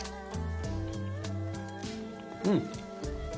うん。